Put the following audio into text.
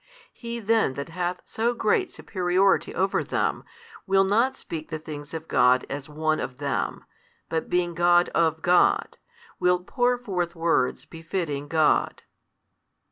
He then that hath so great superiority over them, will not speak the. things of God as one of them, but being God of God, will pour forth words befitting God.